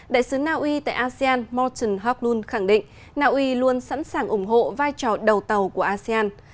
đại sứ naui tại asean morton hocklun khẳng định naui luôn sẵn sàng ủng hộ vai trò đầu tàu của asean